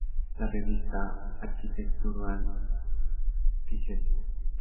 La revista "Architectural Digest.